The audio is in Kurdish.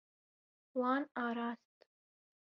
Wan arast.